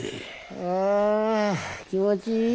ああ気持ちいい。